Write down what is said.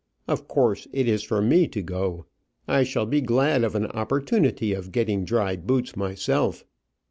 "Of course it is for me to go; I shall be glad of an opportunity of getting dry boots myself."